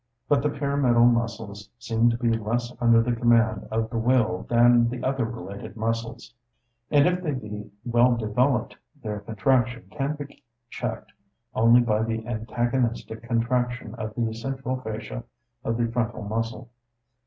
But the pyramidal muscles seem to be less under the command of the will than the other related muscles; and if they be well developed, their contraction can be checked only by the antagonistic contraction of the central fasciae of the frontal muscle.